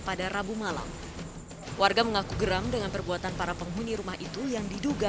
pada rabu malam warga mengaku geram dengan perbuatan para penghuni rumah itu yang diduga